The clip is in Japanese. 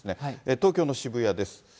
東京の渋谷です。